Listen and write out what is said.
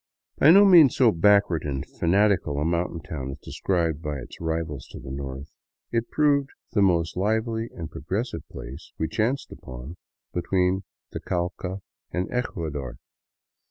By no means so backward and fanatical a mountain town as described by its rivals to the north, jit proved the most lively and progressive place we chanced upon be (tween the Cauca and Ecuador.